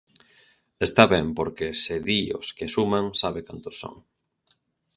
Está ben, porque, se di os que suman, sabe cantos son.